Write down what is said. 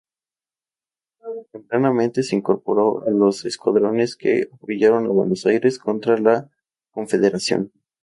Tempranamente se incorporó a los escuadrones que apoyaron a Buenos Aires contra la Confederación.